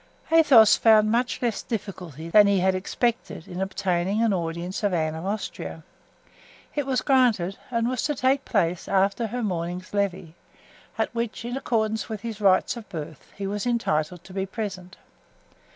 Athos found much less difficulty than he had expected in obtaining an audience of Anne of Austria. It was granted, and was to take place after her morning's "levee," at which, in accordance with his rights of birth, he was entitled to be present.